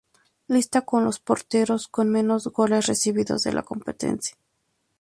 Lista con los porteros con menos goles recibidos de la competencia.